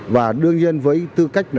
và đương nhiên với tư cách